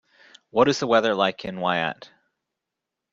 What is the weather like in Wyatte